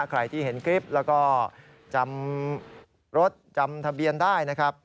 ใครที่เห็นคลิปแล้วก็จำรถจำทะเบียนได้นะครับ